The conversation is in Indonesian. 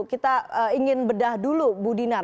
kita ingin bedah dulu bu dinar